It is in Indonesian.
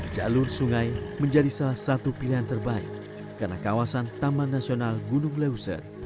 jalur sungai menjadi salah satu pilihan terbaik karena kawasan taman nasional gunung leuser